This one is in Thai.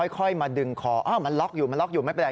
ค่อยมาดึงคอมันล็อกอยู่ไม่เป็นไร